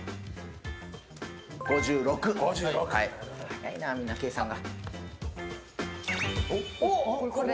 早いなあ、みんな計算が。